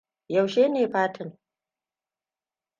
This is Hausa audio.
Yaushe ne fatin?